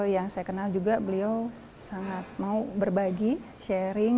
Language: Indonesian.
yang saya kenal juga beliau sangat mau berbagi sharing